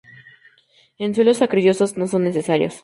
En suelos arcillosos no son necesarios.